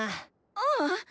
ううん。